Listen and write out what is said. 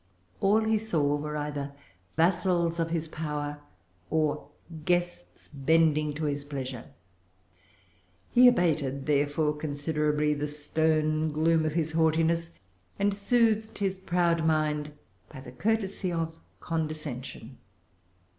All he saw were either vassals of his power, or guests bending to his pleasure. He abated, therefore, considerably the stern gloom of his haughtiness, and soothed his proud mind by the courtesy of condescension."